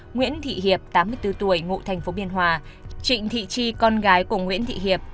nguyễn thị hiệp tám mươi bốn tuổi ngụ thành phố biên hòa trịnh thị tri con gái của nguyễn thị hiệp